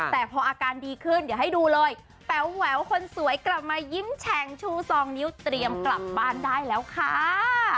แต่พออาการดีขึ้นเดี๋ยวให้ดูเลยแป๋วแหววคนสวยกลับมายิ้มแฉงชูซองนิ้วเตรียมกลับบ้านได้แล้วค่ะ